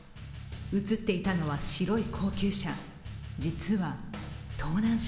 映っていたのは白い高級車。